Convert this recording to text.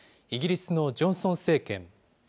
イギリスのジョンソン政権。